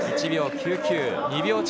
１秒９９。